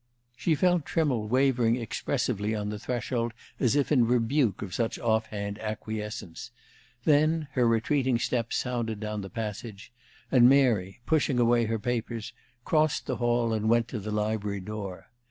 She felt Trimmle wavering expressively on the threshold as if in rebuke of such offhand acquiescence; then her retreating steps sounded down the passage, and Mary, pushing away her papers, crossed the hall, and went to the library door.